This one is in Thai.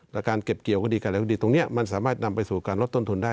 แต่การเก็บเกี่ยวก็ดีการอะไรก็ดีตรงนี้มันสามารถนำไปสู่การลดต้นทุนได้